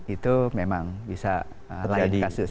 itu memang bisa lain kasus